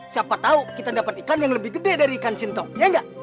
siapa tahu kita dapat ikan yang lebih gede dari ikan sintong ya enggak